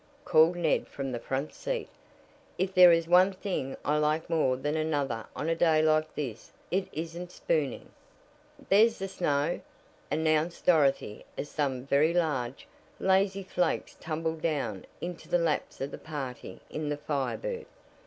called Ned from the front seat. "If there is one thing I like more than another on a day like this it isn't spooning." "There's the snow!" announced Dorothy as some very large, lazy flakes tumbled down into the laps of the party in the Fire Bird.